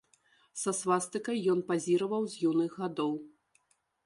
Са свастыкай ён пазіраваў з юных гадоў.